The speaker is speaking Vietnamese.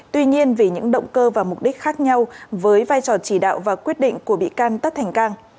tuy nhiên vì những động cơ và mục đích khác nhau với vai trò chỉ đạo và quyết định của bị can tất thành cang